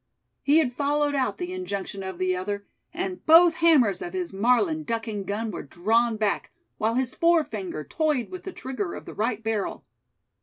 He had followed out the injunction of the other, and both hammers of his Marlin ducking gun were drawn back, while his forefinger toyed with the trigger of the right barrel.